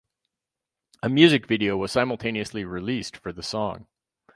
A music video was simultaneously released for the song.